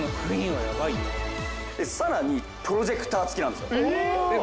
さらにプロジェクター付きなんですよ。えっ？